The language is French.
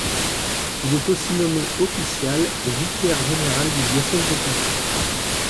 Il est aussi nommé official et vicaire-général du diocèse de Paris.